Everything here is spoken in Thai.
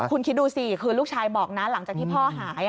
คุณคิดดูสิคือลูกชายบอกนะหลังจากที่พ่อหาย